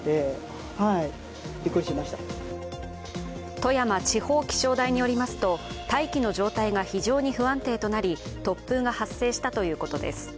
富山地方気象台によりますと、大気の状態が非常に不安定となり、突風が発生したということです。